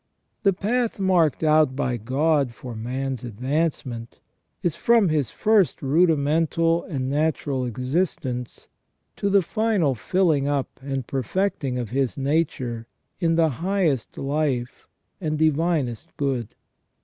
The path marked out by God for man's advancement is from his first rudimental and natural existence to the final filling up and perfecting of his nature in the highest life and divinest good.